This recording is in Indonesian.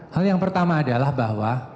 hal yang pertama adalah bahwa